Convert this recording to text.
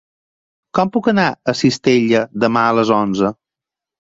Com puc anar a Cistella demà a les onze?